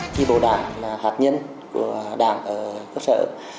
tri bộ đảng là hạt nhân của đảng ở cơ sở